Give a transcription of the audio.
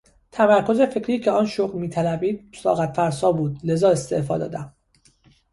تمرکز فکری که آن شغل میطلبید طاقتفرسا بود لذا استعفا دادم.